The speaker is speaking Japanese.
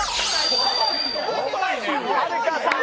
はるかさん